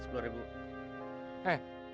saya tambah sepuluh